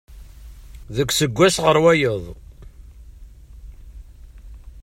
Deg useggas ɣer wayeḍ.